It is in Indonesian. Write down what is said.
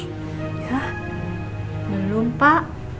ya belum pak